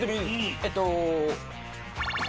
えっと。